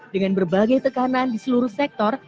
dengan berbagai tekanan di seluruh sektor